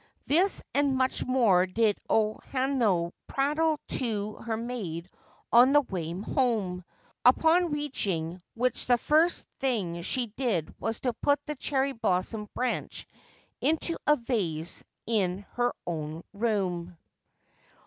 This and much more did O Hanano prattle to her maid on their way home, upon reaching which the first thing she did was to put the cherry blossom branch into a vase in her own room.